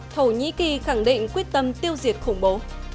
thổ nhĩ kỳ khẳng định quyết tâm tiêu diệt khủng bố